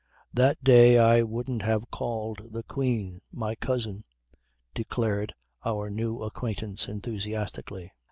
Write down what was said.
"That day I wouldn't have called the Queen my cousin," declared our new acquaintance enthusiastically.